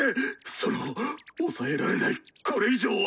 そのおさえられないこれ以上は！